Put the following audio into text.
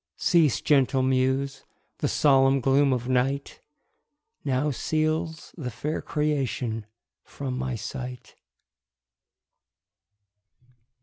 Cease, gentle muse! the solemn gloom of night Now seals the fair creation from my sight.